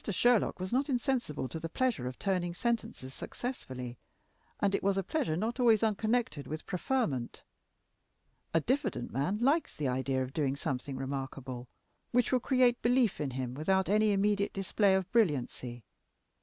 Sherlock was not insensible to the pleasure of turning sentences successfully, and it was a pleasure not always unconnected with preferment. A diffident man likes the idea of doing something remarkable, which will create belief in him without any immediate display of brilliancy.